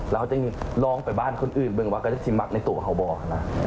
แล้วเค้าจะลองไปบ้านคนอื่นเบื้องว่าเค้าจะทิมมักในตัวเค้าบอกนะ